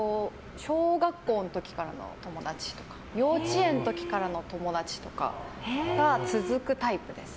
小学校の時からの友達とか幼稚園の時からの友達とかが続くタイプです。